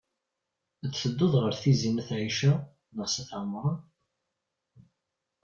Ad tedduḍ ɣer Tizi n at Ɛica neɣ s at Ɛemṛan?